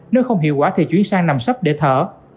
nếu không hiệu quả thì chuyển sang nằm sấp để thở